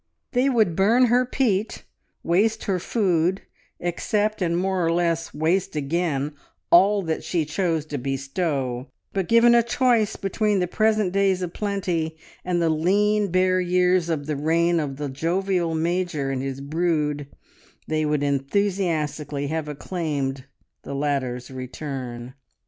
They would burn her peat, waste her food, accept, and more or less waste again, all that she chose to bestow, but given a choice between the present days of plenty and the lean, bare years of the reign of the jovial "Major" and his brood, they would enthusiastically have acclaimed the latter's return.